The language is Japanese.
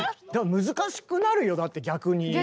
難しくなるよだって逆に。